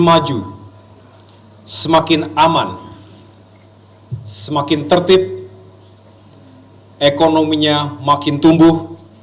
maju semakin aman semakin tertib ekonominya makin tumbuh